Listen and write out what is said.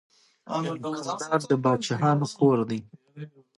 د مډرن تفسیر دوه سرې توره ده.